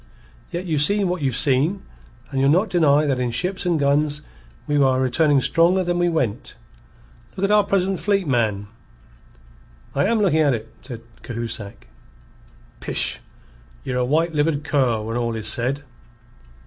"Yet you've seen what you've seen, and you'll not deny that in ships and guns we are returning stronger than we went. Look at our present fleet, man." "I am looking at it," said Cahusac. "Pish! Ye're a white livered cur when all is said."